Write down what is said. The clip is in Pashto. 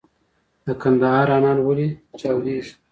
د کندهار انار ولې چاودیږي؟